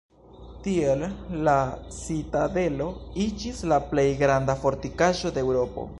Tiel la citadelo iĝis la plej granda fortikaĵo de Eŭropo.